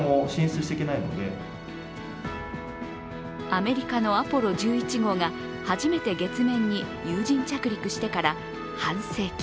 アメリカのアポロ１１号が初めて月面に有人着陸してから半世紀。